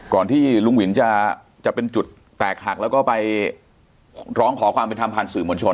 ที่ลุงวินจะเป็นจุดแตกหักแล้วก็ไปร้องขอความเป็นธรรมผ่านสื่อมวลชน